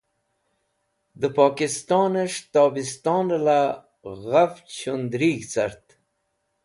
De Pokistones̃h Tobistonela Ghafch Shundrig̃h Cart